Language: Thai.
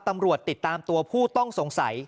ตำรวจติดตามตัวผู้ต้องสงสัย